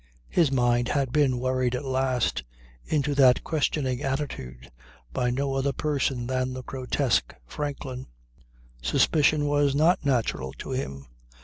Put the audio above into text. His mind had been worried at last into that questioning attitude by no other person than the grotesque Franklin. Suspicion was not natural to him.